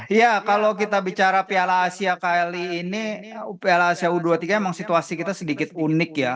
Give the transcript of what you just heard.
iya kalau kita bicara piala asia kali ini piala asia u dua puluh tiga emang situasi kita sedikit unik ya